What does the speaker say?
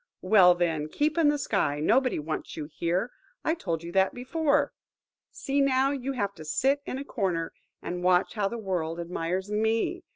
Well, then, keep in the sky. Nobody wants you here–I told you that before. See, now, you have to sit in a corner, and watch how the world admires me!